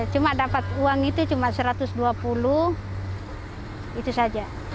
cuma dapat uang itu cuma satu ratus dua puluh itu saja